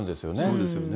そうですよね。